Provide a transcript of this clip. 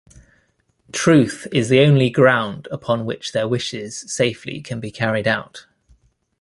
Truth is the only ground upon which their wishes safely can be carried out.